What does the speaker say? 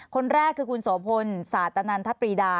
คนแรกคือคุณโสพลสาธานันทร์ทัพรีดา